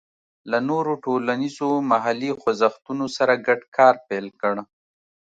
له نورو ټولنیزو محلي خوځښتونو سره ګډ کار پیل کړ.